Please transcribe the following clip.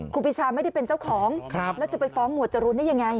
ครูปีชาไม่ได้เป็นเจ้าของแล้วจะไปฟ้องหมวดจรูนได้ยังไง